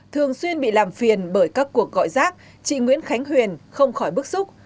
thường xuyên bị làm phiền bởi các cuộc gọi rác chị nguyễn khánh huyền không khỏi bức xúc